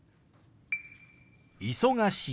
「忙しい」。